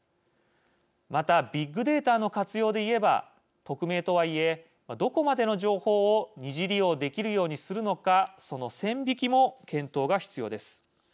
またビッグデータの活用で言えば匿名とはいえどこまでの情報を二次利用できるようにするのかその線引きも検討が必要です。